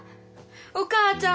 お母ちゃん！